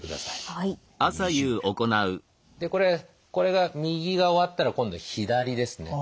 でこれが右が終わったら今度左ですね。